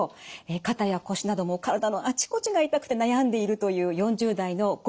肩や腰など体のあちこちが痛くて悩んでいるという４０代の郷喜子さん。